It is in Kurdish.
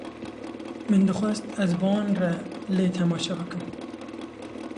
Min dixwest ez bi wan re lê temaşe bikim.